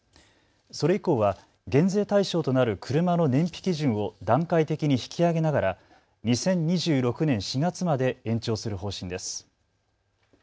それ以降は減税対象となる車の燃費基準を段階的に引き上げながら２０２６年４月まで延長する方針です。